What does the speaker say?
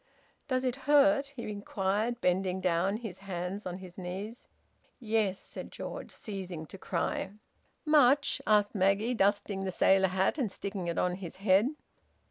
"Does it hurt?" he inquired, bending down, his hands on his knees. "Yes," said George, ceasing to cry. "Much?" asked Maggie, dusting the sailor hat and sticking it on his head.